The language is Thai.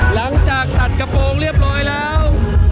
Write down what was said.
หลังจากตัดกระโปรงเรียบร้อยแล้ว